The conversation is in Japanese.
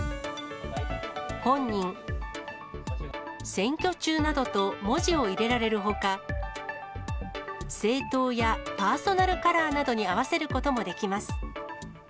本人、選挙中などと文字を入れられるほか、政党やパーソナルカラーに合わせることもできます。